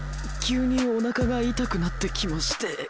急におなかが痛くなってきまして。